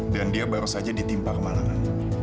dan dia baru saja ditimpa kemalangan